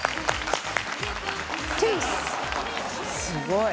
すごい。